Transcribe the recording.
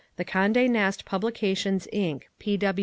The Conde Nast Publications, Inc.